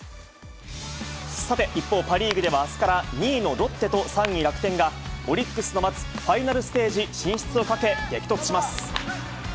さて、一方、パ・リーグでは、あすから２位のロッテと３位楽天が、オリックスの待つファイナルステージ進出をかけ、激突します。